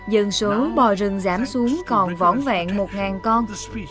dần số bò rừng giảm xuống còn võn vẹn một ngàn con